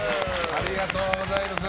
ありがとうございます。